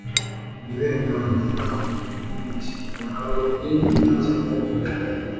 Uburenganzira bw umukiriya bwerekeye